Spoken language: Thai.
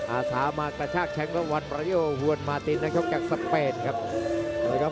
อาศามากแต่ชากแชมป์วันประโยคฮวนมาตินนักเข้ากักสเปนครับ